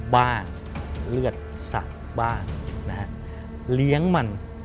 บ้างเลือดสักบ้างนะฮะ